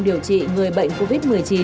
điều trị người bệnh covid một mươi chín